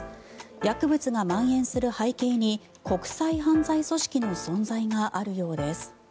薬物がまん延する背景に国際犯罪組織の存在があるようです。